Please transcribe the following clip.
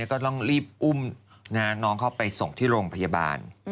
ก็ต้องรีบอุ้มน้องเข้าไปส่งที่โรงพยาบาล